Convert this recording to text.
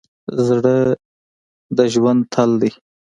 زړه د ژوند تل دی.